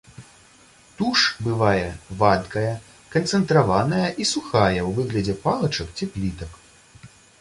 Туш бывае вадкая, канцэнтраваная і сухая ў выглядзе палачак ці плітак.